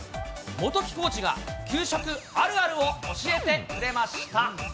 元木コーチが給食あるあるを教えてくれました。